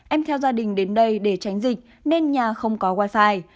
em theo gia đình đến đây để tránh dịch nên nhà không có wifi